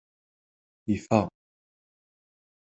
Ifa.